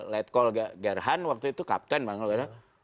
letkol gerhan waktu itu kapten banget